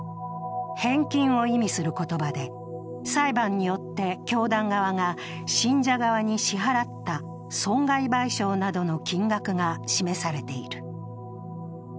返金を意味する言葉で、裁判によって教団側が信者側に支払った損害賠償などの金額が示されている。